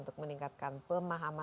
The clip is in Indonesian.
ekspedisi indonesia prima